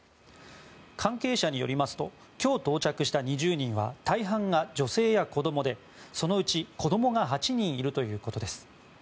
関係者によりますと今日、到着した２０人は大半が女性や子どもでそのうち子どもが８人いるということです。